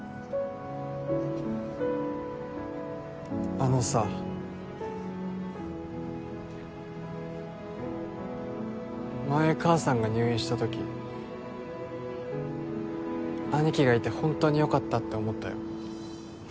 あのさ前母さんが入院したとき兄貴がいてホントによかったって思ったよ